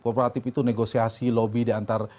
kooperatif itu negosiasi lobby di antara